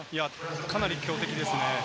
かなり強敵です。